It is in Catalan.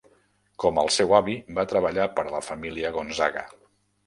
Com el seu avi, va treballar per a la Família Gonzaga.